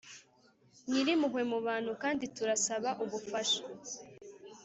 Nyirimpuhwe mu bantu kandi turasaba ubufasha